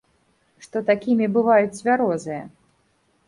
Што такімі бываюць цвярозыя.